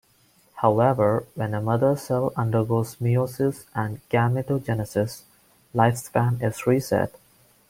However, when a mother cell undergoes meiosis and gametogenesis, lifespan is reset.